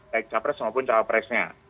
baik capres maupun cawapresnya